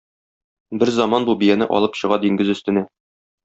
Берзаман бу бияне алып чыга диңгез өстенә.